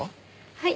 はい。